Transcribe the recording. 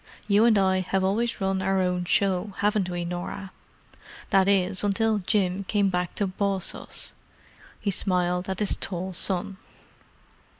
You and I have always run our own show, haven't we, Norah—that is, until Jim came back to boss us!" He smiled at his tall son.